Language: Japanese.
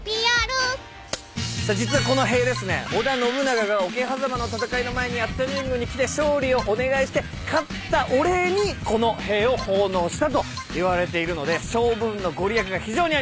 さあ実はこの塀ですね織田信長が桶狭間の戦いの前に熱田神宮に来て勝利をお願いして勝ったお礼にこの塀を奉納したといわれているので勝負運の御利益が非常にあります。